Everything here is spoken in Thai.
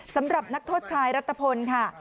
สำหรับนักโทษชายรัฐพลค่ะ